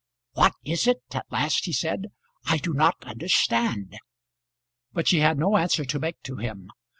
"What is it?" at last he said. "I do not understand." But she had no answer to make to him.